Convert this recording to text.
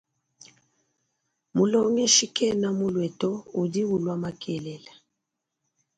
Mulongeshi kena mulue to udi ulua makelela.